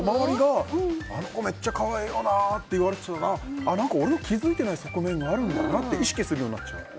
あの子めっちゃ可愛いよなって言われたら俺の気づいてない側面があるんだなって意識するようになっちゃう。